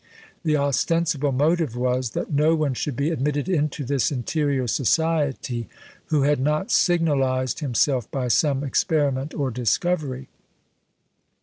The ostensible motive was, that no one should be admitted into this interior society who had not signalised himself by some experiment or discovery.